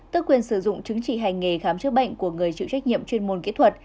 tức quyền sử dụng chứng chỉ hành nghề khám chữa bệnh của người chịu trách nhiệm chuyên môn kỹ thuật